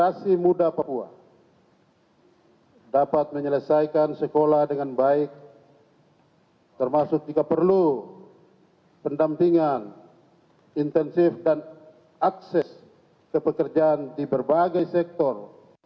generasi muda papua dapat menyelesaikan sekolah dengan baik termasuk jika perlu pendampingan intensif dan akses ke pekerjaan di berbagai sektor